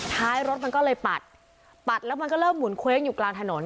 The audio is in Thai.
ท้ายรถมันก็เลยปัดปัดแล้วมันก็เริ่มหุ่นเคว้งอยู่กลางถนน